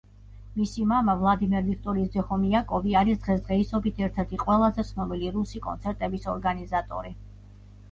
მისი მამა ვლადიმერ ვიქტორის ძე ხომიაკოვი არის დღესდღეისობით ერთ-ერთი ყველაზე ცნობილი რუსი კონცერტების ორგანიზატორი.